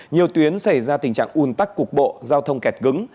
nhiều tuyến xảy ra tình trạng un tắc cục bộ giao thông kẹt cứng